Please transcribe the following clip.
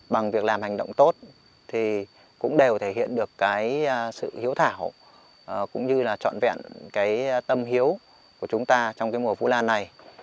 bằng việc làm hành động tốt thì cũng đều thể hiện được cái sự hiếu thảo cũng như là trọn vẹn cái tâm hiếu của chúng ta trong cái mùa vũ lan này